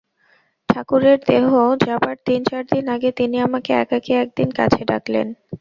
ঠাকুরের দেহ যাবার তিন-চারদিন আগে তিনি আমাকে একাকী একদিন কাছে ডাকলেন।